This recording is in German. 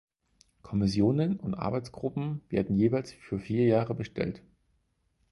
Kommissionen und Arbeitsgruppen werden jeweils für vier Jahre bestellt.